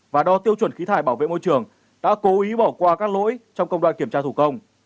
và đo tiêu chuẩn khí thải bảo vệ môi trường đã cố ý bỏ qua các lỗi trong công đoàn kiểm tra thủ công